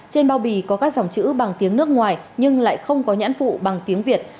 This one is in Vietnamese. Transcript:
trên bao bì có các dòng chữ bằng tiếng nước ngoài nhưng lại không có nhãn phụ bằng tiếng việt